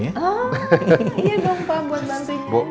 iya dong pak buat bantu